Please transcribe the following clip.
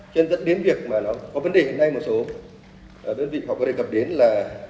cho nên dẫn đến việc mà nó có vấn đề hôm nay một số đơn vị họ có thể gặp đến là